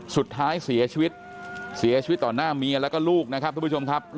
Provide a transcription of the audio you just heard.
สุดท้ายเสียชีวิตเสียชีวิตต่อหน้าเมียแล้วก็ลูกนะครับทุกผู้ชมครับ